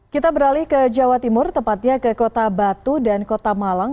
kita beralih ke jawa timur tepatnya ke kota batu dan kota malang